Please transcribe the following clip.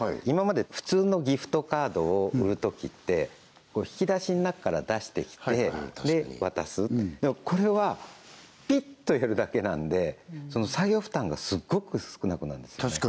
今まで普通のギフトカードを売るときって引き出しの中から出してきてで渡すでもこれはピッとやるだけなんで作業負担がすごく少なくなるんですよね